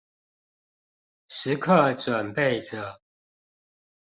時刻準備著